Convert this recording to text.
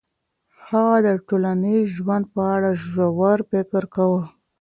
هغه د ټولنیز ژوند په اړه ژور فکر کاوه.